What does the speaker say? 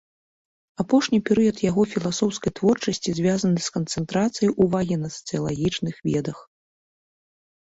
Апошні перыяд яго філасофскай творчасці звязаны з канцэнтрацыяй увагі на сацыялагічных ведах.